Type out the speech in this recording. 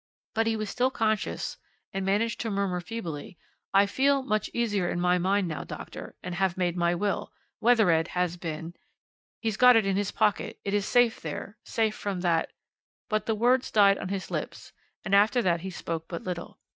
But he was still conscious and managed to murmur feebly: 'I feel much easier in my mind now, doctor have made my will Wethered has been he's got it in his pocket it is safe there safe from that ' But the words died on his lips, and after that he spoke but little.